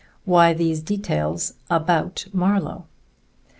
Why these details about Marlowe?